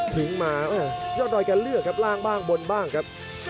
ถึงมายอดดอยแกเลือกครับล่างบ้างบนบ้างครับ